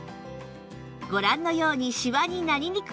ご覧のようにシワになりにくく